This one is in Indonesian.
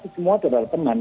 semua adalah teman